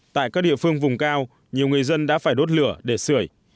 tại các địa phương vùng cao nhiều người dân đã phải đốt lửa để sửa